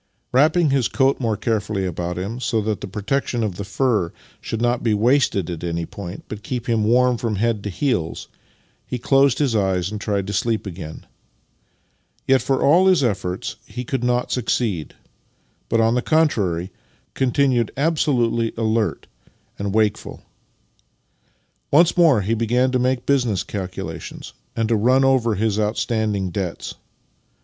Wrapping his coat more carefully about him, so that the protection of the fur should not be wasted at an}' point, but keep him warm from head to heels, he closed his eyes and tried to sleep again. Yet, for all his efforts, he could not succeed, but, on the con trary, continued absolutely alert and wakeful. Once more he began to make business calculations and to run over his outstanding debts.